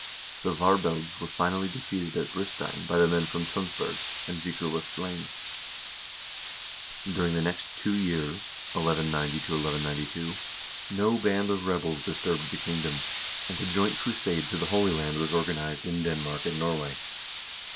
The Varbelgs were finally defeated at Bristein by the men from Tunsberg, and Vikar was slain. During the next two years (1190 1192) no band of rebels dis turbed the kingdom, and a joint crusade to the Holy Land was organized in Denmark and Norway.